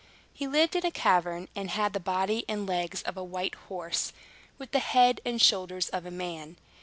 He lived in a cavern, and had the body and legs of a white horse, with the head and shoulders of a man.